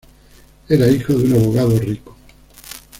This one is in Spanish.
Era hijo de un abogado rico.